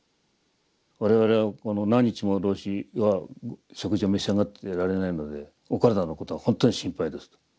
我々はこの何日も老師は食事を召し上がってられないのでお体のことが本当に心配です。